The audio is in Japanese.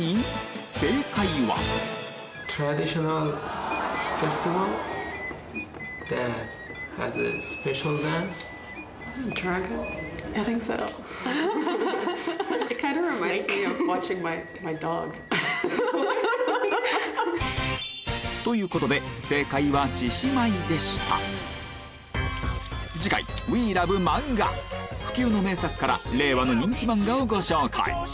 正解は！ということで次回「ＷＥＬＯＶＥ漫画」不朽の名作から令和の人気漫画をご紹介！